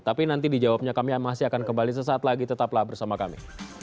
tapi nanti dijawabnya kami masih akan kembali sesaat lagi tetaplah bersama kami